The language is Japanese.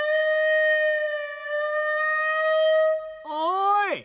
おい！